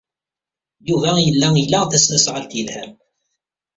Yuba yella ila tasnasɣalt yelhan.